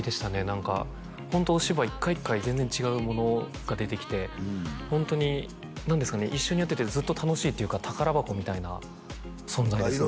何かホントお芝居一回一回全然違うものが出てきてホントに何ですかね一緒にやっててずっと楽しいっていうか宝箱みたいな存在ですね